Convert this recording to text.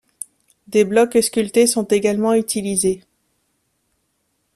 Des blocs sculptés sont également utilisés.